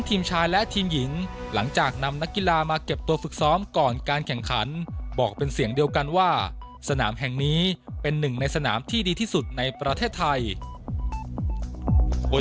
ทีมชายและทีมหญิงหลังจากนำนักกีฬามาเก็บตัวฝึกซ้อมก่อนการแข่งขันบอกเป็นเสียงเดียวกันว่าสนามแห่งนี้เป็นหนึ่งในสนามที่ดีที่สุดในประเทศไทย